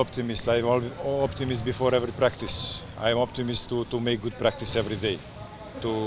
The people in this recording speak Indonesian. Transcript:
tapi semua orang harus tahu ini tim baru kita memiliki enam pemain baru